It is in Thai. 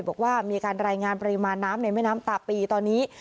บอกว่ามีการรายงานปริมาณน้ำในแม่น้ำตาปีตอนนี้